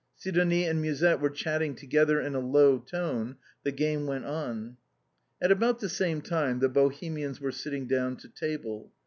Sidonie and Musette were chatting together in a low tone. The game went on. At about the same time the Bohemians were sitting down to table.